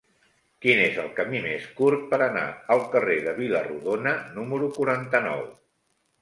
Quin és el camí més curt per anar al carrer de Vila-rodona número quaranta-nou?